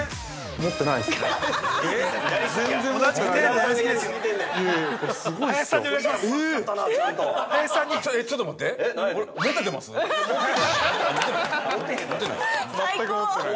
◆持ってない？